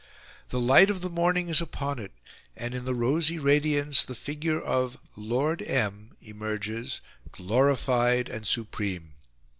The light of the morning is upon it; and, in the rosy radiance, the figure of "Lord M." emerges, glorified and supreme.